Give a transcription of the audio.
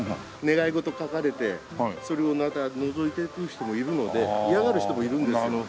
願い事書かれてそれを覗いていく人もいるので嫌がる人もいるんですよ。